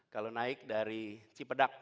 kalau naik dari cipedak